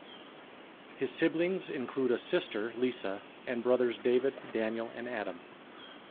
His siblings include a sister, Lisa, and brothers David, Daniel, and Adam.